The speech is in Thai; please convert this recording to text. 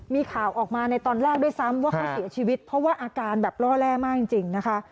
มีข่าวออกมาในตอนแรกด้วยซ้ำว่าเขาเสียชีวิตเพราะว่าอาการแบบล่อแร่มากจริงนะคะ